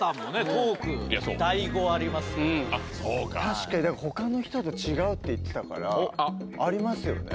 トーク確かに他の人と違うって言ってたからありますよね